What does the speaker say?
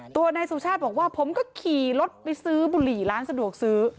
ตัวนายสุชาติบอกว่าผมก็ขี่รถไปซื้อบุหรี่ร้านสะดวกซื้อ